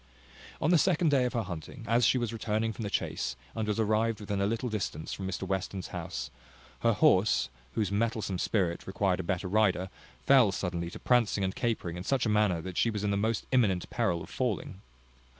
On the second day of her hunting, as she was returning from the chase, and was arrived within a little distance from Mr Western's house, her horse, whose mettlesome spirit required a better rider, fell suddenly to prancing and capering in such a manner that she was in the most imminent peril of falling.